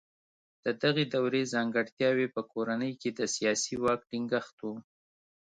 د دغې دورې ځانګړتیاوې په کورنۍ کې د سیاسي واک ټینګښت و.